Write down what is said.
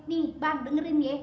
nih bang dengerin ye